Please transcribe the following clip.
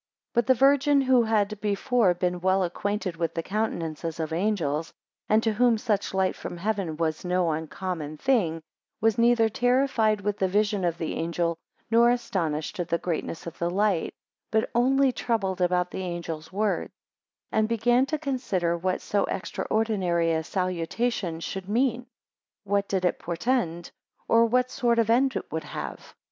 4 But the Virgin, who had before been well acquainted with the countenances of angels, and to whom such light from heaven was no uncommon thing, 5 Was neither terrified with the vision of the angel, nor astonished at the greatness of the light, but only troubled about the angel's words, 6 And began to consider what so extraordinary a salutation should mean, what it did portend, or what sort of end it would have.